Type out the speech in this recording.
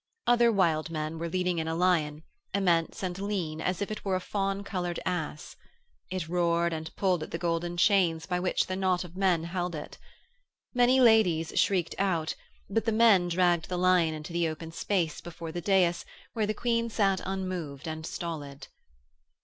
Other wild men were leading in a lion, immense and lean as if it were a fawn coloured ass. It roared and pulled at the golden chains by which the knot of men held it. Many ladies shrieked out, but the men dragged the lion into the open space before the dais where the Queen sat unmoved and stolid.